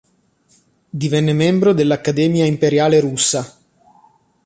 Divenne membro dell'Accademia Imperiale Russa.